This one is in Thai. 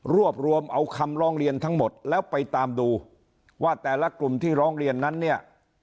รวบรวมเอาคำร้องเรียนทั้งหมดแล้วไปตามดูว่าแต่ละกลุ่มที่ร้องเรียนนั้นเนี่ย